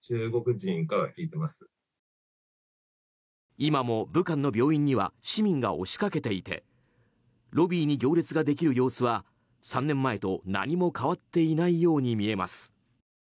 今も、武漢の病院には市民が押しかけていてロビーに行列ができる様子は３年前と何も変わっていないように見えます。